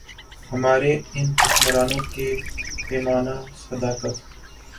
ہمارے ان حکمرانوں کے پیمانۂ صداقت۔